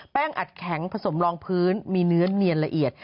อัดแข็งผสมรองพื้นมีเนื้อเนียนละเอียด